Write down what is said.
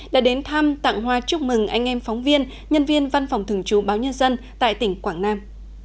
đã đến thăm tặng hoa chúc mừng anh em phóng viên nhân viên văn phòng thường trú báo nhân dân tại tỉnh quảng nam